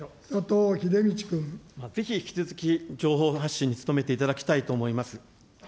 ぜひ引き続き、情報発信に努めていただきたいと思います。